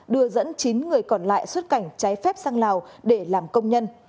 đưa dẫn chín người còn lại xuất cảnh trái phép sang lào để làm công nhân